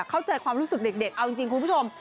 เข้าใจความรู้สึกเด็กเอาจริงคุณผู้ชม